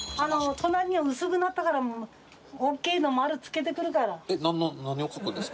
隣の薄くなったからもう錬砲丸つけてくるから。